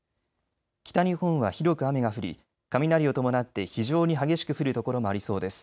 北日本は広く雨が降り雷を伴って非常に激しく降る所もありそうです。